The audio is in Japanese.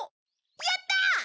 やったあ！